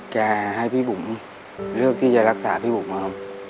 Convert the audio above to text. ให้พี่บุ๋มเลือกที่จะรักษาพี่บุ๋มนะครับ